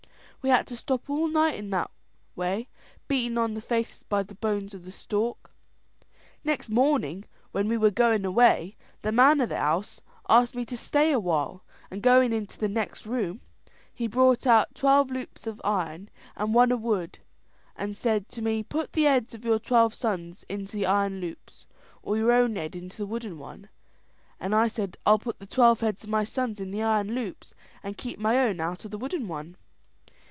We had to stop all night that way, beaten on the faces by the bones of the stork. "Next morning, when we were going away, the man of the house asked me to stay a while; and going into the next room, he brought out twelve loops of iron and one of wood, and said to me: 'Put the heads of your twelve sons into the iron loops, or your own head into the wooden one;' and I said: 'I'll put the twelve heads of my sons in the iron loops, and keep my own out of the wooden one.'